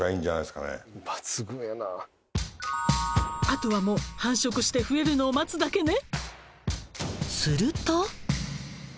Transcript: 後はもう繁殖して増えるのを待つだけね。